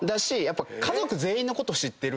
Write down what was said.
家族全員のこと知ってるんで。